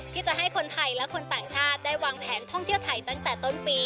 ที่จะให้คนไทยและคนต่างชาติได้วางแผนท่องเที่ยวไทยตั้งแต่ต้นปี